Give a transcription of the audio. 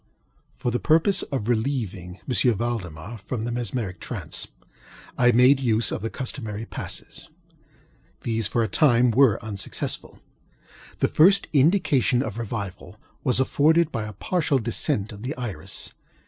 For the purpose of relieving M. Valdemar from the mesmeric trance, I made use of the customary passes. These, for a time, were unsuccessful. The first indication of revival was afforded by a partial descent of the iris.